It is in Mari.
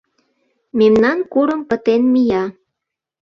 Мемнан курым пытен мия.